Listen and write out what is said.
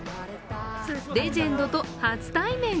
レジェンドと初対面。